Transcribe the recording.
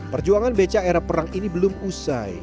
perjuangan beca era perang ini belum usai